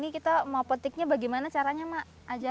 keranjang akan anah